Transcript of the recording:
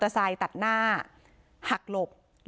สวัสดีครับทุกคน